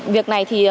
việc này thì giúp